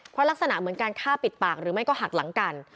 เพราะลักษณะเหมือนการฆ่าปิดปากหรือไม่ก็หักหลังกัน